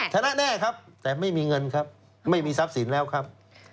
ชนะแน่ครับแต่ไม่มีเงินครับไม่มีทรัพย์สินแล้วครับ